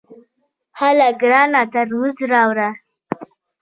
هله ګرانه ترموز راوړه !